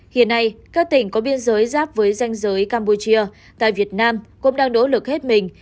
hiện nay các tỉnh có biên giới giáp với danh giới campuchia tại việt nam cũng đang nỗ lực hết mình